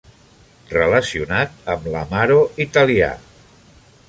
Relacionat amb l'amaro italià.